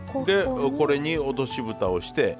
でこれに落としぶたをして。